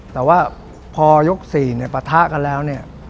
แต่ว่าพอยก๔เนี่ยปะทะกันแล้วเนี่ย